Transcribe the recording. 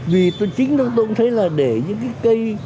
vì tôi chính chúng tôi cũng thấy là để những cái cây